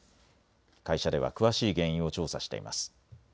会社では詳しい原因を調査しています。